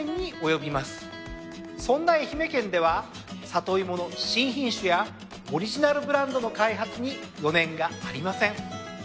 そんな愛媛県ではサトイモの新品種やオリジナルブランドの開発に余念がありません。